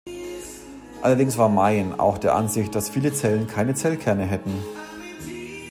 Allerdings war Meyen auch der Ansicht, dass viele Zellen keine Zellkerne hätten.